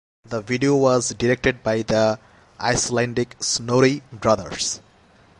The video was directed by the Icelandic Snorri brothers.